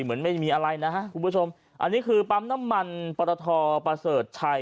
เหมือนไม่มีอะไรนะฮะคุณผู้ชมอันนี้คือปั๊มน้ำมันปรทประเสริฐชัย